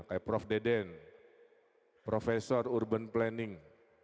kayak prof deden prof urban planning